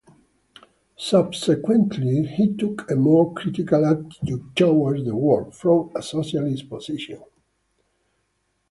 Subsequently, he took a more critical attitude towards the war, from a socialist position.